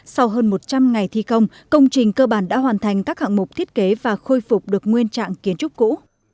sau hơn một trăm linh ngày thi công công trình cơ bản đã hoàn thành các hạng mục thiết kế và khôi phục được nguyên trạng kiến trúc cũ